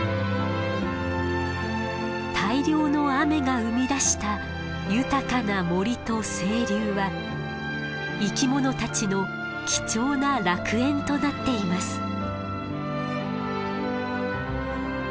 大量の雨が生み出した豊かな森と清流は生き物たちの貴重な楽園となっています。